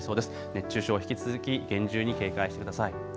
熱中症、引き続き厳重に警戒してください。